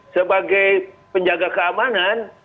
sebagai penjaga keamanan